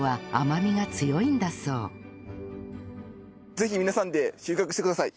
ぜひ皆さんで収穫してください。